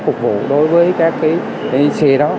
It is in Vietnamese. cục vụ đối với các cái xe đó